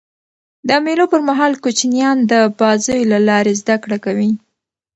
د مېلو پر مهال کوچنيان د بازيو له لاري زدهکړه کوي.